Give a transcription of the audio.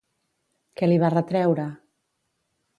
Què li va retreure?